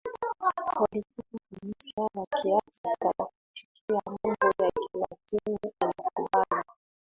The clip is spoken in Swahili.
walitaka Kanisa la Kiafrika na kuchukia mambo ya Kilatini alikubali